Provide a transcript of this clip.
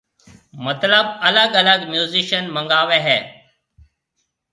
مطلب الگ الگ ميوزيشن منگاوي ھيَََ